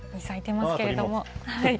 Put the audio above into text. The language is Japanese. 咲いてますけれども。